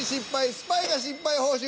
スパイが失敗報酬